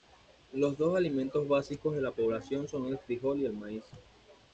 Los dos alimentos básicos de la población son el frijol y el maíz.